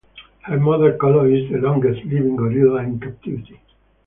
Her mother Colo is the longest living gorilla in captivity.